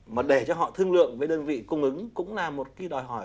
mà để cho họ thương lượng với đơn vị cung ứng cũng là một cái đòi hỏi